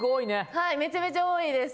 はいめちゃめちゃ多いです。